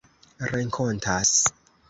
renkontas